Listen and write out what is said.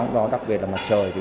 đặc biệt là mặt trời